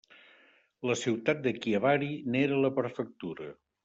La ciutat de Chiavari n'era la prefectura.